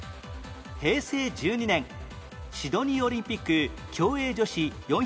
平成１２年シドニーオリンピック競泳女子４００メートル